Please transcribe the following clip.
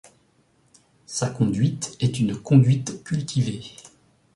Sa conduite est une conduite cultivée.